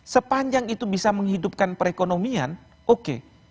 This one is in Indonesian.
sepanjang itu bisa menghidupkan perekonomian oke